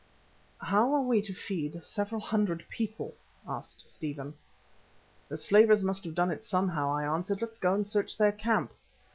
"How are we to feed several hundred people?" asked Stephen. "The slavers must have done it somehow," I answered. "Let's go and search their camp."